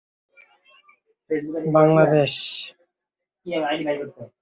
এই জীবনেই হউক বা অন্য জীবনেই হউক দুর্বলের স্থান নাই, দুর্বলতা দাসত্ব আনে।